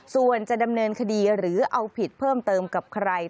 ส่วนจะดำเนินคดีหรือเอาผิดเพิ่มเติมกับใคร